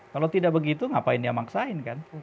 kalau tidak begitu ngapain dia maksain kan